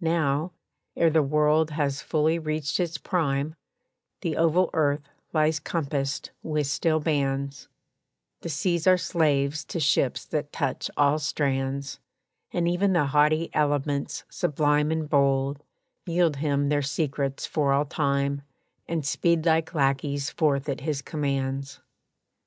Now, ere the world has fully reached its prime, The oval earth lies compassed with steel bands; The seas are slaves to ships that touch all strands, And even the haughty elements sublime And bold, yield him their secrets for all time, And speed like lackeys forth at his commands.